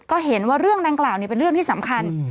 ก็เห็นว่าเรื่องดังกล่าวเป็นเรื่องที่สำคัญ